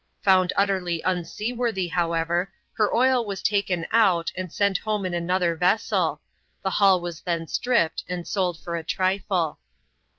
Found utterly unseaworthy, however, her oil was taken out and sent home in another vessel ; the hull was then stripped and sold for a trifle.